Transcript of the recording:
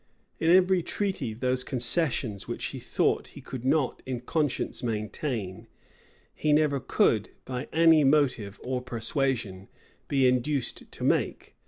In every treaty, those concessions which he thought he could not in conscience maintain, he never could, by any motive or persuasion, be induced to make.